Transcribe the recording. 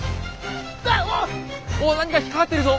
お何か引っ掛かってるぞ。